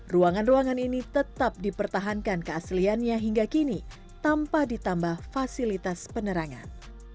ruangan ruangan ini tetap dipertahankan keasliannya hingga kini tanpa ditambah fasilitas penerangan